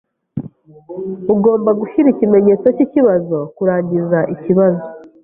Ugomba gushyira ikimenyetso cyibibazo kurangiza ikibazo.